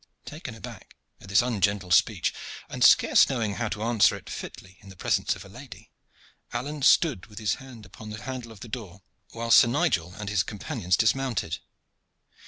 Taken aback at this ungentle speech, and scarce knowing how to answer it fitly in the presence of the lady, Alleyne stood with his hand upon the handle of the door, while Sir Nigel and his companions dismounted.